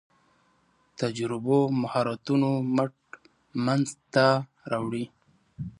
تجربو مهارتونو مټ منځ ته راوړي.